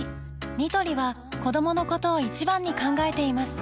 ニトリは子どものことを一番に考えています